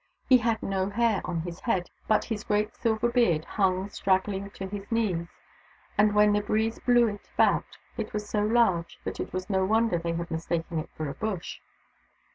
He had no hair on his head, but his great silver beard hung straggling to his knees, and when the breeze blew it about it was so large that it was no wonder they had mistaken it for a bush.